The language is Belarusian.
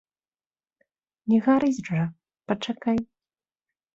Не гарыць жа, пачакай.